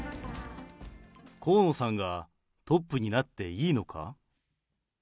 河野さんがトップになっていいのか。